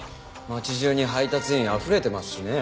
街中に配達員あふれてますしね。